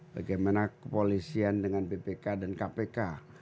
bagaimana kepolisian dengan bpk dan kpk